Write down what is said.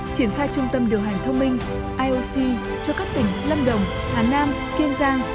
triển khai trung tâm điều hành thông minh ioc cho các tỉnh lâm đồng hà nam kiên giang